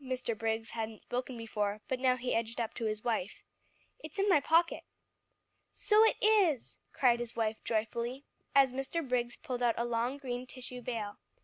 Mr. Briggs hadn't spoken before, but now he edged up to his wife. "It's in my pocket." "So it is," cried his wife joyfully, as Mr. Briggs pulled out a long green tissue veil.